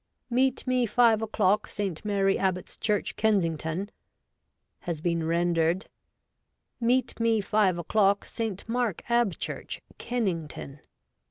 'Meet me 5 o'clock Saint Mary Abbots Church, Kensington,' has been rendered, ' Meet me 5 o'clock Saint Mark Abchurch, Kennington.'